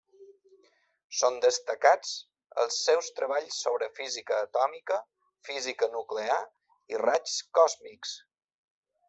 Són destacats els seus treballs sobre física atòmica, física nuclear i raigs còsmics.